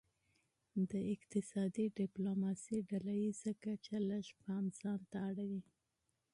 د اقتصادي ډیپلوماسي ډله ایزه کچه لږ پام ځانته اړوي